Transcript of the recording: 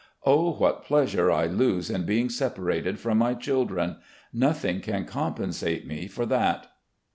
... Oh, what pleasure I lose in being separated from my children! Nothing can compensate me for that.